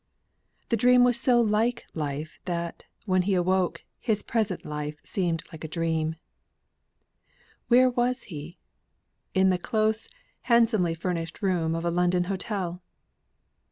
The dream was so like life that, when he awoke, his present life seemed a dream. Where was he? In the close, handsomely furnished room of a London hotel!